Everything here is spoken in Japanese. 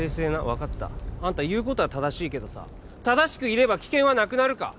分かったあんた言うことは正しいけどさ正しくいれば危険はなくなるか？